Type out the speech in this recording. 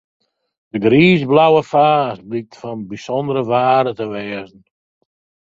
Dy griisblauwe faas blykt fan bysûndere wearde te wêze.